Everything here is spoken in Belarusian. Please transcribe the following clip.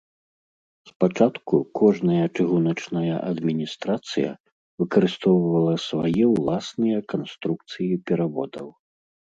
Спачатку кожная чыгуначная адміністрацыя выкарыстоўвала свае ўласныя канструкцыі пераводаў.